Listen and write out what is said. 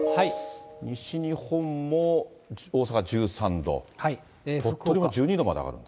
西日本も大阪１３度、鳥取も１２度まで上がるんだ。